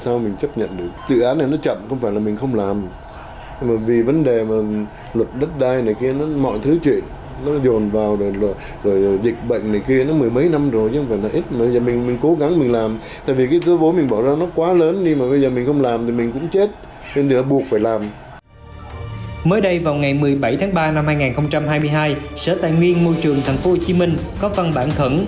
sở tài nguyên môi trường tp hcm có văn bản thẩn